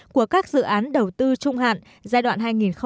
của các dự án đầu tư trung hạn